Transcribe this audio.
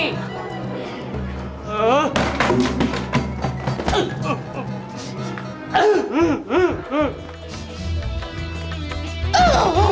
seneng kalau gue begini